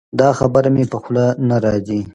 دا خبره مې په خوله نه راځي.